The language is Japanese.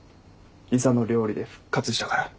理沙の料理で復活したから。